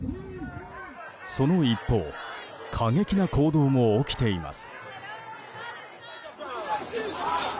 その一方過激な行動も起きています。